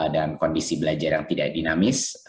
kondisi belajar yang tidak dinamis